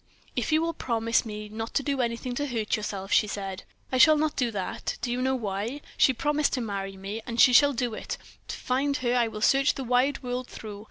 "If you will promise me not to do anything to hurt yourself," she said. "I shall not do that. Do you know why? She promised to marry me, and she shall do it. To find her I will search the wide world through.